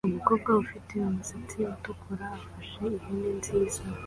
Umukobwa ufite umusatsi utukura afashe ihene nziza